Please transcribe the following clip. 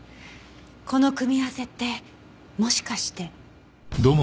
この組み合わせってもしかして。